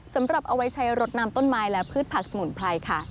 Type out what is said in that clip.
สำหรับเอาไว้ใช้รถน้ำต้นไม้และพืชผักสมุนไพรค่ะ